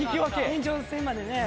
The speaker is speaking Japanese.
延長戦までね。